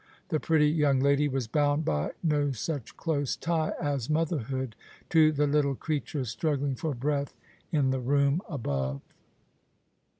This pretty young lady was bound by no such close tie as motherhood to the little creature struggling for breath in the room above.